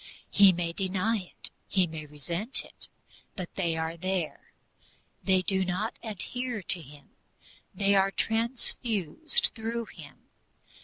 He may deny it, he may resent it, but they are there. They do not adhere to him, they are transfused through him.